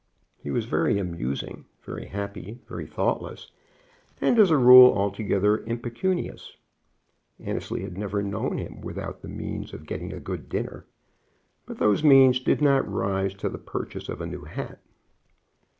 He was very amusing, very happy, very thoughtless, and as a rule altogether impecunious. Annesley had never known him without the means of getting a good dinner, but those means did not rise to the purchase of a new hat.